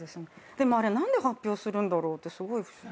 でもあれ何で発表するんだろうってすごい不思議。